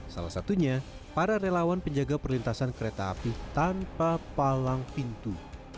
salah satunya para relawan penjaga perlintasan kereta api tanpa palang pintu